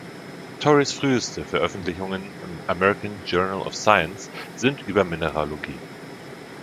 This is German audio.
Torreys früheste Veröffentlichungen im „American Journal of Science“ sind über Mineralogie.